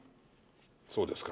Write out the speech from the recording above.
そうですか。